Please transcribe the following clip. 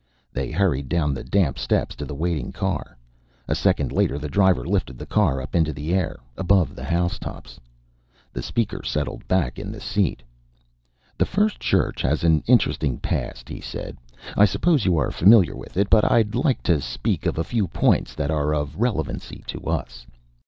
They hurried down the damp steps to the waiting car. A second later the driver lifted the car up into the air, above the house tops. The Speaker settled back in the seat. "The First Church has an interesting past," he said. "I suppose you are familiar with it, but I'd like to speak of a few points that are of relevancy to us.